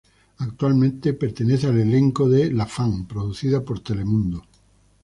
Actualmente pertenece al elenco de "La fan" producida por Telemundo.